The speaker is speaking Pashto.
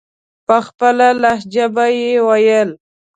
په خپله لهجه به یې ویل.